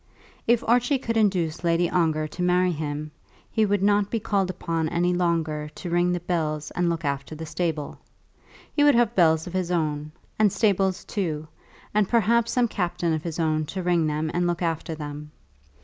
If Archie could induce Lady Ongar to marry him, he would not be called upon any longer to ring the bells and look after the stable. He would have bells of his own, and stables too, and perhaps some captain of his own to ring them and look after them.